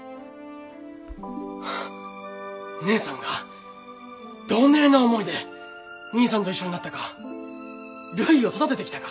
ハッ義姉さんがどねえな思いで兄さんと一緒になったかるいを育ててきたか。